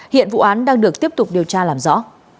hiện vụ án đang được tiếp tục điều tra làm rõ